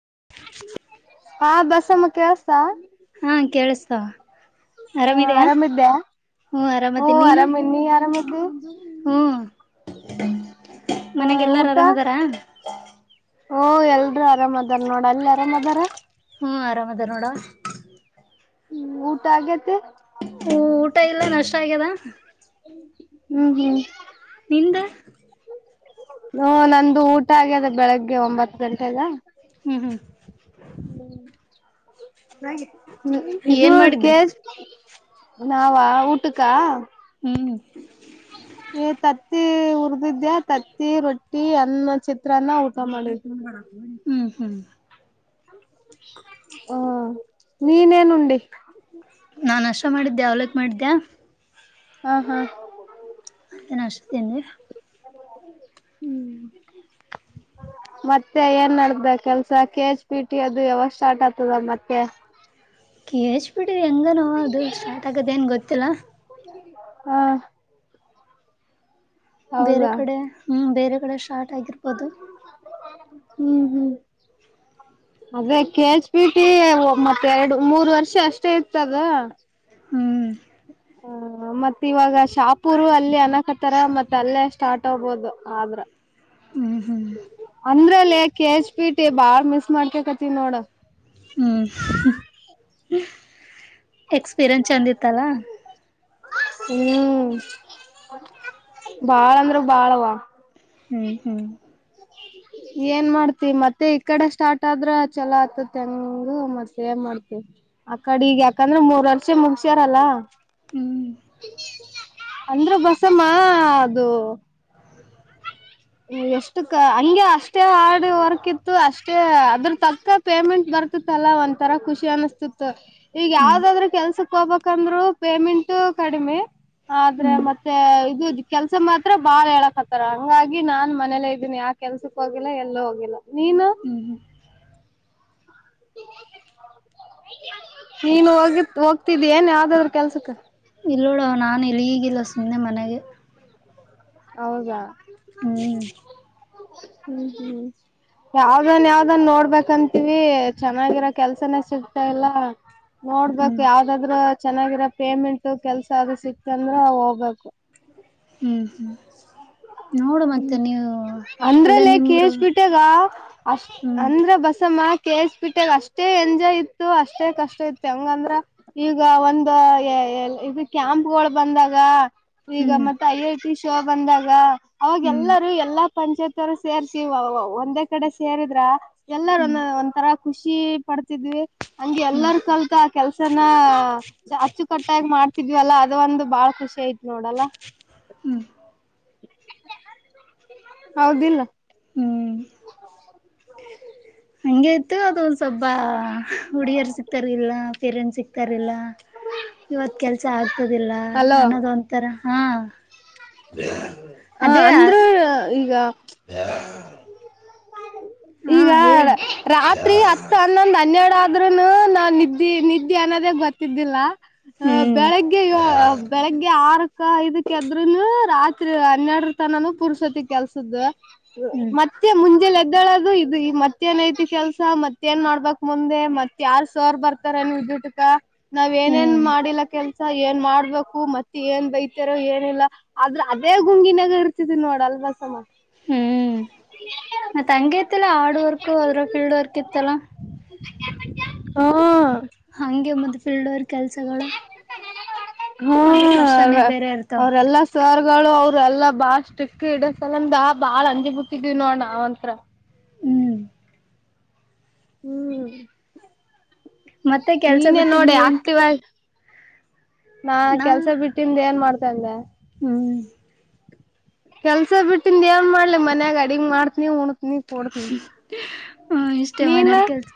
[inaudible] ಹಾ ಬಸಮ್ಮ ಕವಸ್ತ ಹಾ ಕೇಳಿಸ್ತಾವ ಹಾ ಆರಾಮಿದ್ಯಾ ಆರಾಮಿದ್ದೆ ಹ್ಮ ಆರಾಮ ನೀ ಆರಾಮ ಹ್ಮ ಹ ಮನೆಗೆ ಎಲ್ಲಾರು ಆರಾಮ್ ಅದಾರ ಓ ಎಲ್ರುೂ ಆರಾಮ್ ಅದಾರ ನೋಡ ಅಲ್ಲಿ ಆರಾಮ್ ಅದಾರ ಹ್ಮ್ ಆರಾಮ್ದ ನೋಡ ಹ್ಮ್ ಊಟ ಆಗೇತ್ತ ಹ ಊಟ ಇಲ್ಲ ನಷ್ಟ ಆಗ್ಯದ ಹ್ಮ್ ಹ್ಮ್ ನಿಂದ ಹ ನಂದು ಊಟ ಆಗ ಅದ ಬೆಳಗ್ಗೆ ಒಂಬತ್ತು ತ ಲ್ಲ ಹ್ಮ್ ಹ್ಮ್ ಹ್ಮ ೆ ಇದು ಏನ್ ಮಾಡಿದ್ರಿ ಕಸ್ ನಾವ ಊಟಕ್ಕ ಹ ್ ತತ್ತಿ ಉರದಿದ್ದ್ಯಾ ತತ್ತಿ ರೊಟ್ಟಿ ಅನ್ನ ಚಿತ್ರಾನ್ನ ಊಟ ಮಾಡುಂಬ ಹ್ಮ್ ಹ್ಮರಿ ಹ ನೀನೇನುಡಿ ನಾನ್ ಅಷ್ಟ ಮಾಡಿದ್ದೆ ಅವಲಕ್ ಮಾಡಿದ್ದ್ಯಾ ಹಾ ಹಾ ಅದ ನಷ್ಟೆ ಮತ್ತೆ ಏನ್ ನಡ್ದ ಕೆಲ್ಸ ಕೆ ಎಚ್ ಪಿ ಟಿ ಅದು ಯಾವಾಗ ಸ್ಟಾರ್ಟ್ ಆಗ್ತದ ಮತ್ತೆ ಕೆ ಎಚ್ ಪಿ ಡಿ ಹೆಂಗನೋ ಅದು ಸ್ಟಾರ್ಟ್ ಆಗದ ಏನ್ ಗೊತ್ತಿಲ್ಲ ಹಾ ಬೇರೆ ಹೌದಾ ಕಡೆ ಹ್ಮ್ ಬೇರೆ ಕಡೆ ಶಾರ್ಟ ಹ್ಮ್ ಹ್ಮ್ ಅದೇ ಕೆ ಎಚ್ ಪಿ ಟಿ ಒ ಮತ್ತ ಎರಡು ಮೂರ್ ವರ್ಷ ಅಷ್ಟೇ ಇತದ ಹ್ಮ್ [inaudible] ಮತ್ತತ್ ಇವಾಗ ಶಾಪೂರು ಅಲ್ಲಿ ಅನಕತರ ಮತ್ ಅಲ್ಲೇ ಸ್ಟಾರ್ಟ್ ಆೋಗಬೋದು ಆದ್ರ ಹ್ಮ್ ಹ್ಮ್ ಅಂದ್ರಲ್ಲಿ ಕೆ ಎಚ್ ಪಿ ಟಿ ಬಾಳ ಮಿಸ್ ಮಾಡ್ಕಕತ್ತ ನೋಡ ಹ್ಮ್ ಎಕ್ಸ್ಪೀರಿಯನ್ಸ್ ಚಂದ ಇತ್ತಲ್ಲ ಹ್ಮ್ ಬಾಳ ಅಂದ್ರ ಬಾಳವ ಹ್ಮ್ ಹ್ಮ್ ಏನ್ ಮಾಡ್ತಿ ಮತ್ತೆ ಈ ಕಡೆ ಸ್ಟಾರ್ಟ್ ಆದ್ರ ಚಲೋ ಆತತ್ ಹೆಂಗು ಮತ್ತೆ ಏನ್ ಮಾಡ್ತಿ ಆ ಕಡೆ ಈಗ ಯಾಕಂದ್ರೆ ಮೂರ್ ವರ್ಷ ಮುಗಸ್ಯಾರಲ್ಲ ಹ್ಮ್ ಅಂದ್ರೆ ಬಸಮ್ಮ ಅದು ಎಷ್ಟ ಹಂಗೆ ಅಷ್ಟೇ ಹಾರ್ಡ್ ವರ್ಕ್ ಇತ್ತು ಅಷ್ಟೇ ಅದ್ರ ತಕ್ಕ ಪೇಮೆಂಟ್ ಬ ಾ ಒ್ ತರ ಖುಷಿ ಅನಿಸ್ತತ್ತು ಈಗ ಹ್ಮ್ ಯಾವದಾದ್ರರು ಕೆಲ್ಸಕ್ ಹೋಗಬೇಕಂದ್ರು ಪೇಮೆಂಟ್ ಕಡಿಮೆ ಆದ್ರೆ ಹ್ಮ್ ಮತ್ತೆ ಇದು ಕೆಲ್ಸ ಮಾತ್ರ ಬಾಳ ಹೇಳಕ್ ಹತ್ತರ ಹ ನಾನ್ ಮೇಲೆೇ ಇದ್ದೀನಿ ಯ ಕೆಲ್ಸಕ್ ಹೋಗಿಲ್ಲ ಎಲ್ಲೂ ಹೋಗಿಲ್ಲ ನೀನು ಹ್ಮ್ ಹ್ಮ್ ನೀನು ಹೋಗಿ ಹೋಗ್ತಿದ್ದಿ ಏನ್ ಯಾವ್ದಾದ್ರೂ ಕೆಲ್ಸಕ್ಕೆ ಇಲ್ಲ ನೋಡ ನಾನ ಇಲ್ಲಿ ಈಗಿಲ್ಲ ಸುಮ್ಮನೆ ಮನೆಗೆ ಹೌದಾ ಹ್ಮ್ ಹ್ಮ್ ಹ್ಮ್ ಯಾವ್ದನ್ ಯಾವ್ದನ್ ನೋಡ್ಬೇಕಂತೀವಿ ಚೆನ್ನಾಗಿರೋ ಕೆಲ್ಸನ ಸಿಗ್ತಾಲ್ಲ ಹ್ಮ್ ನೋಡ್ಬೇಕಕ್ ಯಾವ್ದಾದ್ರ ಚೆನ್ನಾಗಿರ ಪೇಮೆಂಟ್ ಕೆಲ್ಸ ಅ ಸಿಕ್ತಂದ್ರ ಹೋಗ್ಬೇಕು ಹ್ಮ್ ಹ್ಮ್ ನೋಡು ಮತ್ತೆ ಹ್ಮ ನೀವು ಅಲ್ಲೇ ಅಂದ್ರಲ್ಲೇ ನಿಮ್ಮೂರು ಕಸ್ಬಿಟ್ಟಾಗ ಅಷ್ಟ ಹ್ಮ್ ಅಂದ್ರ ಬಸಮ್ಮ ಕೇಸ್ ಬಿಿಟ್ಟಾಗ ಅಷ್ಟೇ ಎಂಜಾಯ್ ಇತ್ತು ಅಷ್ಟೇ ಕಷ್ಟ ಇತ್ತು ಹೆಂಗಂದ್ರ ಈಗ ಒಂದು ಇದು ಕ್ಯಾಂಪ್ಗಳು ಬಂದಾಗ ಈಗ ಹ್ಮ್ ಮತ್ತೆ ಐ ಐ ಟಿ ಶೋ ಬಂದಾಗ ಅವಾಗ ಹ್ಮ್ ಎಲ್ಲರೂ ಎಲ್ಲಾ ಪಂಚಾಯತ್ರು ಸೇರ್ತಿವ ಒಂದೇ ಕಡೆ ಸೇರಿದ್ರ ಎಲ್ಲಾರ ಹ್ಮ್ ಒ ಒಂ ತರ ಖುಷಿ ಪಡ್ತಿದ್ವಿ ಹಂಗೆ ಹ್ಮ್ ಎಲ್ಲರ ಕಲ್ತ ಆ ಕೆಲ್ಸನ ಹಚ್ಚ ಕಟ್ಟಾಗಿ ಮಾಡ್ತಿದ್ವಲ್ಲಾ ಅದು ಒಂದು ಬಾಳ ಖುಷಿ ಐತ್ ನೋಡಲ್ಲ ಹ್ಮ್ ಹೌದಿಲ್ಲ ಹ್ಮ್ ಹ ಹಗೆ ಇತ್ತು ಅದೊಂದು ಸ್ವಬ್ಬ ಹುಡುಿಯರು ಸಿಕ್ತಾರ ಇಲ್ಲ ಪೇರೆಂಟ್ಸ್ ಸಿಕ್ತ ಆತಾರಿಲ್ಲ ಇವತ್ ಕೆಲ್ಸ ಆಗ್ತದಿಲ್ಲ ಅಲೋ ಅನ್ನೋದ ಒಂಂತರ ಹಾ ಹ ಅದ ಅಂದ್ರ ಈಗ ಈಗ ಹೇಳು ರಾತ್ರಿ ಹತ್ತು ಹನ್ನೊಂದು್ ಹನ್ನೆರಡು ಆದ ಆದ್ರೂನು ನಾವ್ ನಿದ್ದೆ ನಿದ್ದೆ ಅನ್ನೋದೇ ಗೊತ್ತಿದ್ದಿಲ್ಲ ಅ ಹ್ಮ್ ಬೆಳಿಗ್ಗೆ ಬೆಳಿಗ್ಗೆ ಆರು ಅಕ್ಕ ಇದಕ್ಕೆದ್ೂನು ರಾತ್ರಿ ಹನ್ನೆರಡರ ತನಾನೂ ಪುರುಷೊತ್ತ ಕೆಲ್ಸದ ಹ್ಮ್ ಮತ್ತೆ ಮುಂದೆಲ್ಲ ಇದಳದು ಇದು ಮತ್ತೇನ್ ಐತಿ ಕೆಲ್ಸ ಮತ್ತೇನ್ ಮಾಡ್ಬೇಕಕ್ ಮುಂದೆ ಮತ್ತ ಯಾರ್ ಸರ್ ಬರ್ತಾರೆ ಟಕ ನಾವ್ ಏನೇನ್ ಹ್ಮ್ ಮಾಡಿಲ್ಲ ಕೆಲ್ಸ ಏನ್ ಮಾಡ್ಬೇಕು ಮತ್ತೆ ಏನ್ ಬೈತಾರೋ ಏನಿಲ್ಲ ಆದ್ರ ಅದೇ ಗುಂಗಿನಾಗ ಇರ್ತಿದ ನೋಡಲ್ ಬಸಮ್ಮ ಹ್ಮ್ ಮ ತಂಗ ಇತಿಲ್ಲ ಹಾರ್ಡ್ ವರ್ಕ್ ಅದ್ರ ಫೀಲ್ಡ್ ವರ್ಕ್ ಇತ್ತಲ್ಲ ಹ ಫಿಲ್ಡೋರ್ ಕೆಲಸಗಳು ಹ್ಮ ಇರ್ತಾವ ಅವ್ರಲ್ಲ ಸ್ವರ್ ಗಳು ಅವ್ರ ಎಲ್ಲ ಬಾಳ ಸ್ಟ್ರಿಕ್ ಹಿಡ ಸಲಂದಾ ಬಾಳ ಅಂಜಿ ಬತಿದ್ವಿ ನೋಡ ನಾವ್ಂತ್ರ ಹ್ಮ್ ಹ್ಮ್ ಮತ್ತೆ ಕೆಲ್ಸ ನೀನೇ ಬಿಟ್ಟಿಂದ ನೋಡಿ ಏನ್ ಆಕ್ಟಿವ್ ಆಗಿ ನಾ ಕೆಲ್ಸ ಬಿಟ್ಟಿಂದ ಏನ್ ಮಾಡ್ತಂದೆ ಹ್ಮ್ ಕೆಲ್ಸ ಬಿಟ್ಟಿಂದ ಏನ್ ಮಾಡ್ಲಿ ಮನ್ಯಾಗ ಅಡಗ್ ಮಾಡ್ತನಿ ಉಣತನಿ ಕೊಡ್ತನಿ ಹ್ಮ್ ಇಷ್ಟೇ ನೀನ್ ಮನೆಯರ್ ಕೆಲ್ಸ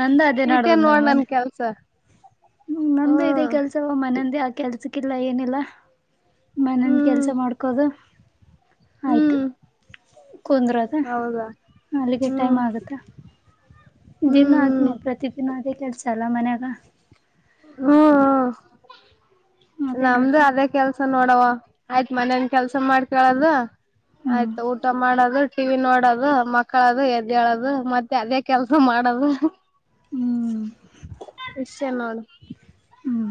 ನಂದ ಅದೇ ಇಟೇ ನೋಡ ನನ್ ಕೆಲ್ಸ ಹ್ಮ ನಮ್ದು ಇದೇ ಹ್ಮ್ ಕೆಲ್ಸವ ಮನಂದ ಆ ಕೆಲ್ಸಕ್ಕಿಲ್ಲ ಏನಿಲ್ಲ ಮನನ್ ಹ್ಮ್ ಕೆಲ್ಸ ಮಾಡ್ಕೋದು ಆಯ್ತು ಹ್ಮ್ ಕುಂದರೆ ಅದ ಹೌದಾ ಅಲ್ಲಿಗೆ ಹ್ಮ್ ಟೈಮ್ ಆಗತ್ತೆ ದಿನ ಹ್ಮ್ ಆದ್ನೇ ಪ್ರತಿ ದಿನ ಅೇ ಕೆಲ್ಸ ಅಲ್ಲ ಮನ್ಯಾಗ ಹ್ಮ್ ಹ್ಮ ಅದೇ ನಮ್ದು ನೋಡ್ದ ಅದೇ ಕೆಲ್ಸ ನೋಡವ ಆಯ್ತ್ ಮನೇನ್ ಕೆಲ್ಸ ಮಾಡ್ಕಳದು ಹ್ಮ್ ಆಯ್ತ ಊಟ ಮಾಡದು ಕಿವಿ ನೋಡದು ಮಕ್ಕಳದು ಎದ್ದೇಳದು ಮತ್ತೆ ಅದೇ ಕೆಲ್ಸ ಮಾಡದು ಹ್ಮ್ ಇಷ್ಟೇ ನೋದು ಹ್ಮ್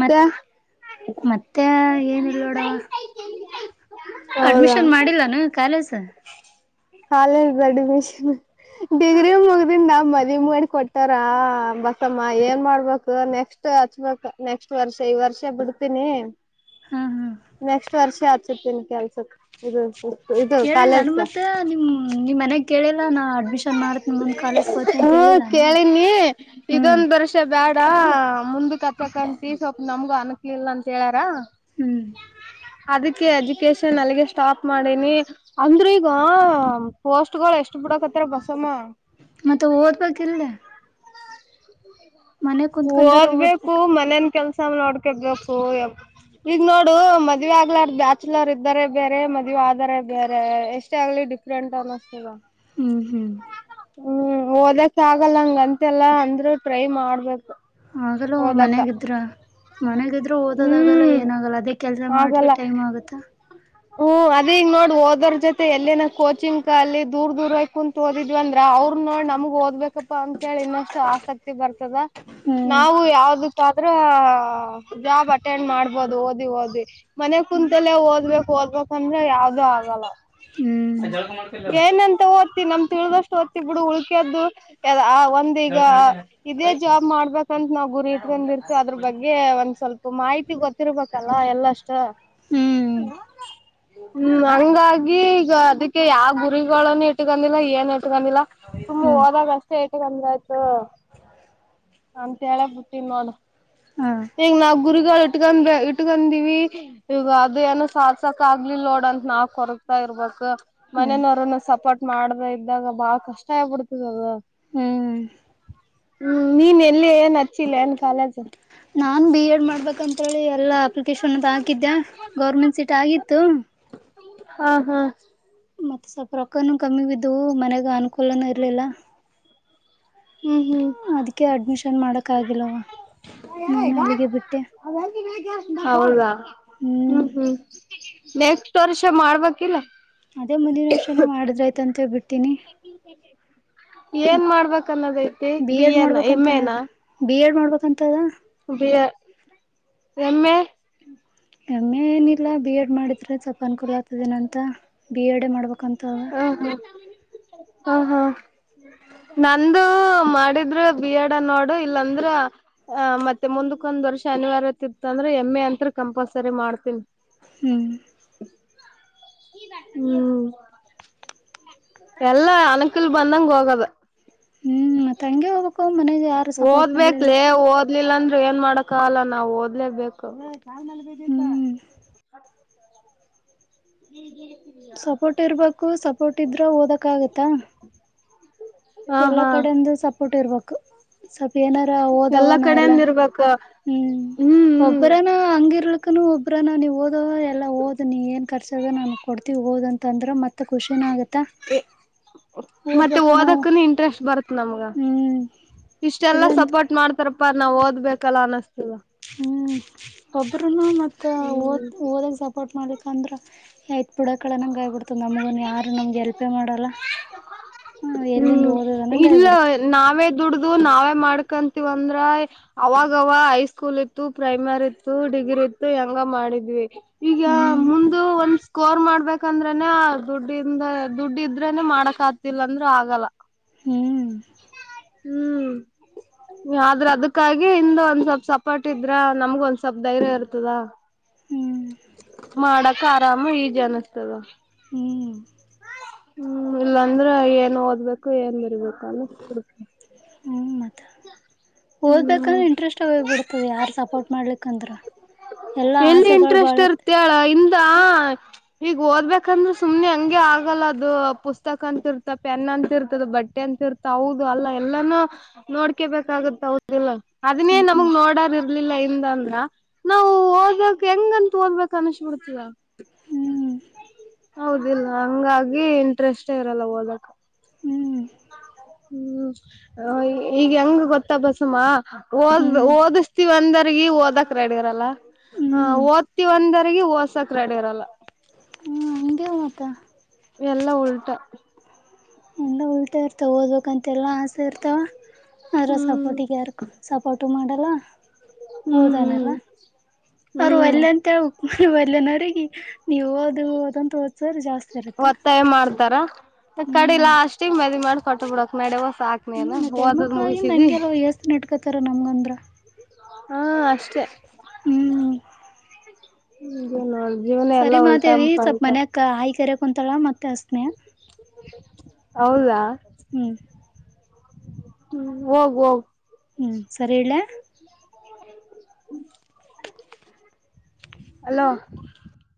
ಮತ್ ಮತ್ತೆ ಏನಲ್ ನೋಡವ ಹೌದಾ ಅಡ್ಮಿಷನ್ ಮಾಡಿಲ್ಲಾನ ಕಾಲೇಜ ಕಾಲೇ್ದ ಅಡ್ಮಿಷನ್ ಡಿಗ್ರಿ ಮುಗ್ದನ್ ನ ಮನಿ ಮಾಡಿ ಕೊಟ್ಟಾರ ಬಸಮ್ಮ ಏನ್ ಮಾಡ್ಬೇಕು ನೆಕ್ಸ್ಟ್ ಹಚ್ಬೇಕ ನೆಕ್ಸ್ಟ್ ವರ್ಷ ಈ ವರ್ಷ ಬಿಡ್ತೀನಿ ಹಾ ನೆಕ್ಸ್ಟ್ ವರ್ಷ ಆತಿರ್ತೇನ್ ಕೆಲ್ಸಕ್ ಇದು ಸ ಇದು ಹೇಳಿಲ್ಲಾನ ಕಾಲದಕ ಮತ್ತೆ ನಿಮ್ ನಿಮ್ ಮನ್ಯಾಗ ಕೇಳಿಲ್ಲ ನಾ ಅಡ್ಮಿಷನ್ ಮಾಡತ್ ಮುಂದ್ ಕಾಲೇಜ್ಗೆ ಹೋತನಿ ಅಂತ ಹ್ಮ ಹೇಳಿಲ್ಲಾನ ಕೇಳಿನಿ ಹ್ಮ್ ಇದೊಂದ್ ವರ್ಷ ಬ್ಯಾಡ ಹ ಮುಂದ ಕತ್ತಕಂತ ಸ್ವಪ್ ನಮ್ಗೂ ಅನಕ್ಲಿಲ್ಲ ಅಂತ ಹೇಳಾರ ಹ್ಮ್ ಅದಕ್ಕೆ ಎಜುಕೇಶನ್ ಅಲ್ಲಿಗೆ ಸ್ಟಾಪ್ ಮಾಡೀಿನಿ ಅಂದ್ರೂ ಈಗ ಪೋಸ್ಟ್ ಗಳು ಎಷ್ಟು ಬಿಡಕ ಹತ್ರ ಬಸಮ್ಮ ಮತ್ತೆ ಓದ್ಬೇಕಿಲ್ಲ ಮನೆ ಕುತ್ಕೊಂಡಾರ ಓದ್ಬೇಕು ಓದ್ಬೇಕ ಮನೇನ್ ಕೆಲ್ಸ ನೋಡ್ಕಬೇಕು ಎ ಈಗ ನೋಡು ಮದ್ವೆ ಆಗ್ಲಾರ ಬ್ಯಾಚಲರ್ ಇದ್ದಾರೆ ಬೇರೆ ಮದ್ವೆ ಆದರೆ ಬೇರೆ ಎಷ್ಟೇ ಆಗ್ಲಿ ಡಿಫ್ರಂ ಟೈ್ಸ್ತದೆ ಹ್ಮ್ ಹ್ಮ್ ಹ್ಮ್ ಓದಕ್ ಆಗಲ್ಲ ಹಂಗ ಅಂತೆಲ್ಲಾ ಅಂದ್ರರು ಟ್ರೈ ಮಾಡ್ಬೇಕು ಹಾಗಲೂ ಓದಕ್ಕ ಮನ್ಯಾಗಿದ್ರ ಮನಗಿದ್ರು ಓದೋದಗಲ್ಲ ಹ್ಮ್ ಏನಾಗಲ್ಲ ಅದೇ ಕೆಲ್ಸ ಆಗಲ್ಲ ಮಾಡಕ ಟೈಮ್ ಆಗತ್ತಾ ಹ್ಮ್ ಅದ ಈಗ ನೋಡ್ ಓದೋರ್ ಜೊತೆ ಎಲ್ಲೇನ ಕೋಚಿಂಗ್ ಅಲ್ಲಿ ದೂರ್ ದೂರ ಕುಂತತ್ ಓದಿದ್ವಿಂದ್ರ ಅವ್ರ ನೋಡ್ ನಮಗ್ ಓದ್ಬೇಕಪ್ಪಾ ಅಂತೇಳಿ ಇನ್ನಷ್ಟು ಆಸಕ್ತಿ ಬರ್ತದ ಹ್ಮ್ ನಾವು ಯಾವ್ದ ದ್ರ ಜಾಬ್ ಅಟೆಂಡ್ ಮಾಡ್ಬೋದು ಓದಿ ಓದಿ ಮನೆ ಕುಂತಲ್ಲೇ ಓದ್ಬೇಕು ಓದಬೇಕಂದ್ರೆ ಯಾವ್ದೂ ಆಗಲ್ಲ ಹ್ಮ್ ಏನಂತ ಓದ್ತಿ ನಮ ತಿಳಿದಷ್ಟು ಹೊತ್ತಿಬ ಬಿಡು ಉಳಕದು ಆ ಒಂದೀಗ ಇದೇ ಜಾಬ್ ಮಾಡ್ಬೇಕಂತ ನಾವ್ ಗುರಿ ಇಟ್ಕೊಂಡಿರ್ತ ಅದ್ರ ಬಗ್ಗೆ ಒಂದ್ ಸ್ವಲ್ಪ ಮಾಹಿತಿ ಗೊತ್ತಿರ್ಬೇಕಲ್ಲ ಎಲ್ಲಷ್ಟ ಹ್ಮ್ ಹ್ಮ್ ಹಂಗಾಗಿ ಈಗ ಅದಕ್ಕೆ ಯಾವ ಗುರಿನ್ನ ಇಟ್ಕೊಂಡಿಲ್ಲ ಏನ್ ನಮಿಲ್ಲ ಸುಮ್ಮ್ ಹ್ಮ್ ಹೋದಾಗ ಅಷ್ಟೇ ಐತೆ ಗಂದ ಆಯ್ತು ಅಂತ ಹೇಳ ಬಿುಟ್ಟೀ ನೋಡು ಹಾ ಈಗ ನಾ ಗುರಿಗಳು ಇಟ್ಕೊಂಡ ಇಟ್ಕಂದಿವವಿ ಇವ ಅದು ಏನೋ ಸಾರ್ ಕ್ ಆಗ್ಲಿ ಲೋಡ್ ಅಂತ ನಾವ್ ಕೊರಗ್ತಾ ಇರ್ಬೇಕು ಹ್ಮ್ ಮನನವರನ್ನು ಸಪೋರ್ಟ್ ಮಾಡ್ದ ಇದ್ದಾಗ ಬಾಳ ಕಷ್ಟ ಆಗ್ಬಿಡ್ತದಲ್ದ ಹ್ಮ್ ಹ್ಮ್ ನೀನ್ ಎಲ್ಲಿ ಏನ್ ಹಚ್ಚಿಲ್ಲ ಏನ್ ಕಾಲಜ ನಾನ್ ಬಿ ಎಡ್ ಮಾಡ್ಬೇಕ ಅಂತೇಳಿ ಎಲ್ಲಾ ಅಪ್ಲಿಕೇಶನ್ ಅ ಹಾಕಿದ್ದೆ ಗೌರ್ಮೆಂಟ್ ಸೀಟ್ ಆಗಿ ತಂ ಹಾ ಹಾ ಮತ್ತೆ ಸ್ವಲ್ಪ ರೊಕ್ಕನು ಕಮ್ಮಿ ಬಿದ್ದವು ಮನೆಗ ಅನುಕೂಲನೂ ಇರ್ಲಿಲ್ಲ ಹ್ಮ್ ಹ್ಮ್ ನ್ ಮಾಡಕ್ ಆಗಲ್ವ ಹೌದಾ ಹ್ಮ್ ಹ್ಮ ನೆಕ್ಸ್ಟ್ ವರ್ಷ ಮಾಡ್ಬೇಕಿಲ್ಲ ಅದೇ ಮುಂದಿನ ವರ್ಷನೇ ಮಾಡಿದ್ರ ಆಯ್ತ ಅಂತೇಳ್ಬ ಬಿಟ್ಟು [inaudible] ಏನ್ ಮತ್ ಮಾಡ್ಬೇಕನ್ನೋದ ಐತಿ ಬಿ ಎಡ್ ಎನಾ ಎಮ್ ಮಾಡ್ಬೇಕಂತಾನೇ ಎನ ಅದ ಬಿ ಎಡ್ ಮಾಡ್ಬೇಕಂತದ ಬಿ ಯ ಎಮ ಎ ಎಮ್ ಎ ಏನಿಲ್ಲ ಬಿ ಎಡ್ ಮಾಡಿದ್ರೆ ಸ್ವಲ್ಪ ಅನುಕೂಲ ಆಗ್ತದೆನಂತ ಬಿ ಎ ೇ ಮಾಡ್ಬೇಕಂತದ ಹ ಹಾ ನಂದು ಮಾಡಿದ್ರ ಬಿಿಯಡ ನೋಡು ಇಲ್ಲಾಂದ್ರ ಆ ಮತ್ತೆ ಮುಂದಕ್ಕ ಒಂದ್ ವರ್ಷ ಅನಿವಾರ್ಯತೆ ಇತ್ತು ಅಂದ್ರೆ ಎಂ ಎ ಅಂತ ಕಂಪಲ್ಸರಿ ಮಾಡ್ತನಿ ಹ್ಮ್ ಹ್ಮ್ ಎಲ್ಲಾ ಅನಕಲ್ ಬಂದಂಗ ಹೋಗದ ಹ್ಮ್ ಮತ್ತ ಹಂಗೆ ಹೋಗ್ಬೇಕು ಮನೆಗೆ ಯಾರು ಸಪೋರ್ಟ್ ಮಾಡ್ಲಿಲ್ಲ ಓದ್ಬೇಕಲೇ ಓದ್ಲಿಲ್ಲಂತ ಏನ್ ಮಾಡಕ ಅಲ್ಲ ನಾವ್ ಓದ್ಲೇಬೇಕು [inaudible] ಹ್ಮ್ ಈ ಸಪೋರ್ಟ್ ಇರ್ಬೇಕು ಸಪೋರ್ಟ್ ಇದ್ರೆ ಓದಕ್ ಆಗತ್ತ ಹ ಎಲ್ಲಾ ಹಾ ಕಡೆಂದು ಸಪೋರ್ಟ್ ಇರ್ಬೇಕು ಸ್ವಲ್ಪ ಏನಾರ ಓದವ ಎಲ್ಲಾ ನಾ ಎಲ್ಲ ಕಡೆಯಿಂದ ಇರ್ಬೇಕ ಹ್ಮ್ ಒಬ್ಬರಾನ ಹಂಗಿರ್ಲಕ್ಕ ಅಕ್ಕ ಒಬ್ರ ನಾವು ನೀವು ಓದ ಎಲ್ಲಓದ ನೀವು ಏ ರ್ುದ ನಾು ಕೊಡ್ೀವಿ ಓದಂತ ಅಂದ್ರೆತ್ತೆ ಮ ಖುಷಿನ ಆಗತ್ತ ಮತ್ತೆ ಓದ್ಬೇಕ ನಾವು ಓದಕ್ಕನು ಇಂಟ್ರೆಸ್ಟ್ ಬರುತ್ ನಮ್ಗ ಹ್ಮ್ ಇಷ್ಟೆಲ್ಲಾ ಇಲ್ಲಂದ ಸಪೋರ್ಟ್ ಮಾಡ್ತಾರಪ್ಪಾ ನಾವ್ ಓದ್ಬೇಕಲ್ಲ ಅನಸ್ತ ಹ್ಮ್ ಒಬರುನು ಮತ್ತ ಓದ ಹ್ಮ್ ಓದಕ್ ಸಪೋರ್ಟ್ ಮಾಡ್ಲಿಕ್ ಅಂದ್ರ ಆಯ್ತ ಪುಡಕಳನಂಗಾಯ್ಬಿಡ್ತದೆ ನಮಗನ್ ಯಾರು ನಮ್ಗೆ ಎಲ್ಪೆ ಮಾಡಲ್ಲ ಹ್ಮ ಎಲ್ಲಿಂದ ಹ್ಮ್ ಓದದನಂಗೈ ಇಲ್ಲ ಬಿಡತು ನಾವೇ ದುಡ್ದು ನಾವೇ ಮಾಡ್ಕಂತೀವ ಅಂದ್ರ ಅವಾಗವ ಹೈಸ್ಕೂಲ್ ಇತ್ತು ಪ್ರೈಮರಿ ಇತ್ತು ಹಗಿರು ಹೆಂಗ ಮಾಡಿದ್ವಿ ಈಗ ಹ್ಮ್ ಮುಂದ ಒಂದ್ ಕೋರ್ ಮಾಡ್ಬೇಕಂದ್ರೆನೆ ದುಡ್ಡಿಂದ ದುಡ್ ಇದ್ರೆನೆ ಮಾಡಕ್ ಆತಿಲ್ಲ ಅಂದ್ರೂ ಆಗಲ್ಲ ಹ್ಮ್ ಹ್ಮ್ ಆದ್ರ ಅದಕ್ಕಾಗಿ ಹಿಂದ ಒಂದ್ ಸ್ವಲ್ಪ್ ಸಪರ್ಟ್ ಇದ್ರ ನಮ್ಗ ಒಂದ್ ಸ್ವಲ್ಪ್ ಧೈರ್ಯ ಇರ್ತದ ಹ್ಮ್ ಮಾಡಕ ಆರಾಮ ಈಜ ಅನ್ತದ ಹ್ಮ್ ಹ್ಮ್ ಇಲ್ಲಾಂದ್ರೆ ಏನ್ ಓದ್ಬೇಕು ಏನ್ ಬರ್ಬೇಕು ಅನ್ನಡ್ತ ಹ್ಮ್ ಮತ್ತ ಹ್ಮ ಓದ್ಬೇಕಂದ್ರೆ ಇಂಟ್ರೆಸ್ಟ್ ಆ ಬಿಡ್ತದೆ ಯಾರ ಸಪೋರ್ಟ್ ಮಾಡ್ಲಿಂದ್ರ ಎಲ್ಲಿ ಇಂಟ್ರೆಸ್ಟ್ ಇರ್ತ್ತ ಅಳ ಇಂದ ಹ್ಮ್ ಈಗ ಓದ್ಬೇಕಂದ್ರೆ ಸುಮನೆ ಹಂಗೆ ಆಗಲ್ಲ ಅದು ಪುಸ್ತಕ ಅಂತಿರ್ತ ಪೆನ್ ಅಂತಿರ್ತದ ಬಟ್ಟೆ ಅಂತ ರ್ತ ಹೌದು ಅಲ್ಲಾ ಎಲ್ಲಾನೂ ನೋಡ್ಕೇ ಬೇಕಾಗತ್ತೌದಿಲ್ಲ ಅದನ್ನೇ ಹ್ಮ್ ನಮ್ಗ್ ನೋಡರ್ ಇರ್ಲಿಲ್ಲ ಅಂದ್ರ ನಾವು ಓದಕ್ ಹೆಂಗಂತ ಓದಬೇಕ ಅನ್ಸ್ ಬಿಿಡ್ತದ ಹ್ಮ್ ಹೌದಿಲ್ಲ ಹಂಗಾಗಿ ಇಂಟ್ರೆಸ್ಟ್ೇ ಇರಲ್ಲ ಓದಕ್ ಹ್ಮ್ ಹ್ಮ್ ಈಗ ಹೆಂಗ ಗೊತ್ತ ಬಸಮ್ಮ ಓದ ಹ್ಮ್ ಓದಿಸತೀವ ಅಂದ್ರ ಗ ಓದಕ್ ರೆಡಿಗರಲ್ಲ ಹ ಹ್ಮ್ ಓದ್ತಿವಂದರಗಿ ಓದಸಕ್ ರೆಡಿಗರಲ್ಲ ಹ ಹಿಿಂದ ಮಾತ ಎಲ್ಲ ಉಲ್ಟ ಎಲ್ಲ ಉಲ್ಟಾ ಇರ್ತಾವ ಓದ್ಬೇಕ ಅಂತೆ ಎಲ್ಲಾ ಆಸೆ ಇರ್ತಾವ ಅದ್ರ ಹ್ಮ್ ಸಪೋರ್ಟಿ ಯಾರ್ು ಸಪೋರ್ಟ್ ಮಾಡಲ್ಲ ಹ್ಮ್ ಓದಲ್ಲ ಹ್ಮ್ ಅವರು ಅ ಹ್ಮ್ ಇಲ್ಲನೋರಿಗೆ ನೀವು ಅದು ಅದಂತ ಓದ್ಸ್ರ ಜಾಸ್ತಿ ಇರುತ್ತೆ ಒತ್ತಾಯ ಮಾಡ್ತಾರ ಕಡೆ ಲ ಅಸ್ಷ್ಟಿಗೆ ಮದ್ ಮಾಡಿ ಕೊಟ್ಟ ಬಿಡಕ್ ನಡ ಹ್ಮ ಮತ್ತೆ ಹೆಣ್ಮಕ್ಳಾಗಿ ಹಂಗೆಲ್ಲ ವ್ಯಸ್ ನಟ್ಕೊತಾರ ನಮ್ಗಂದ್ರ ಹಾ ಅಷ್ಟೆ ಹ್ಮ್ ಹ ನ ಸರಿ ಮಾತೇವಿ ಸ್ವಲ್ಪ ಮನ್ಯಕ್ ಹಾಯಕರೆ ಕುಂತಾಳ ಮತ್ತೆ ಅಸ್ನೇ ಹೌದಾ ಹ್ಮ್ ಹೋಗ್ ಹೋಗ ಹ್ಮಞ ಸರಿ ಹೇಳೇ ಹ್ಮ ಅಲೋ